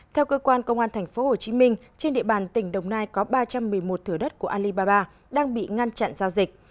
theo cơ quan công an tp hcm trên địa bàn tỉnh đồng nai có ba trăm một mươi một thửa đất của alibaba đang bị ngăn chặn giao dịch